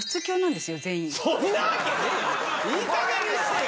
いいかげんにしてよ！